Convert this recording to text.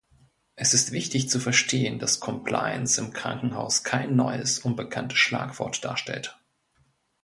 Es ist wichtig zu verstehen, dass Compliance im Krankenhaus kein neues, unbekanntes Schlagwort darstellt.